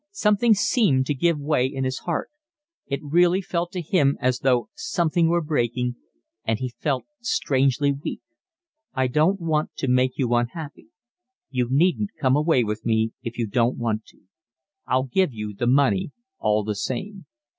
Something seemed to give way in his heart; it really felt to him as though something were breaking, and he felt strangely weak. "I don't want to make you unhappy. You needn't come away with me if you don't want to. I'll give you the money all the same."